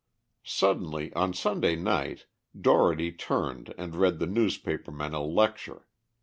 Suddenly, on Sunday night, Dougherty turned and read the newspaper men a lecture.